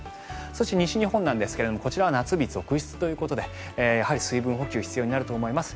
そして西日本なんですがこちらは夏日続出ということで水分補給が必要になると思います。